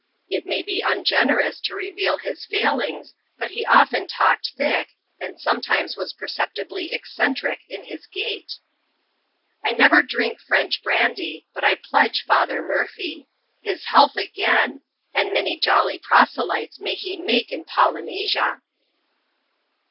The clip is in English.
It may be ungenerous to reveal his failings, but he often talked thick, and sometimes was perceptibly eccentric in his gait. I never drink French brandy, but I pledge Father Murphy, His health again ! And many joUy prosel3rtes may he make in Polynesia